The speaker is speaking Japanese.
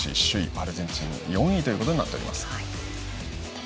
アルゼンチンが４位ということになっています。